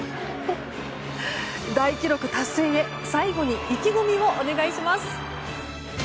大記録達成へ最後に意気込みをお願いします。